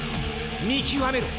見極めろ！